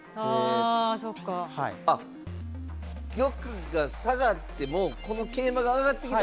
あっ玉が下がってもこの桂馬が上がってきたら。